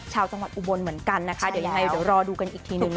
ชาวจังหวัดอุบลเหมือนกันนะคะเดี๋ยวรอดูกันอีกทีหนึ่ง